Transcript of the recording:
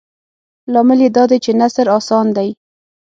لامل یې دادی چې نثر اسان دی.